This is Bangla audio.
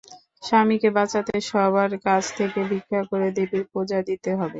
স্বামীকে বাঁচাতে সবার কাছ থেকে ভিক্ষা করে দেবীর পূজা দিতে হবে।